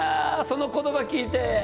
その言葉聞いて？